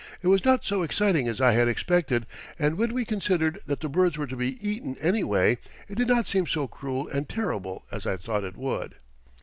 It was not so exciting as I had expected, and when we considered that the birds were to be eaten anyway, it did not seem so cruel and terrible as I thought it would.